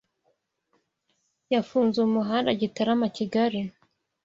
yafunze umuhanda Gitarama-Kigali